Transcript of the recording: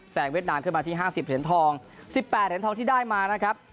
งเวียดนามขึ้นมาที่๕๐เหรียญทอง๑๘เหรียญทองที่ได้มานะครับ